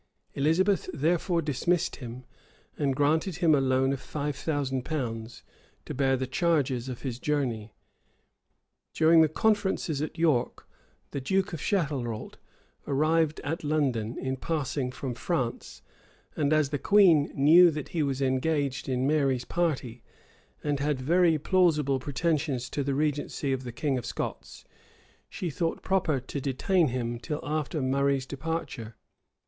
Elizabeth therefore dismissed him; and granted him a loan of five thousand pounds, to bear the charges of his journey.[*] During the conferences at York, the duke of Chatelrault arrived at London, in passing from France; and as the queen knew that he was engaged in Mary's party, and had very plausible pretensions to the regency of the king of Scots, she thought proper to detain him till after Murray's departure.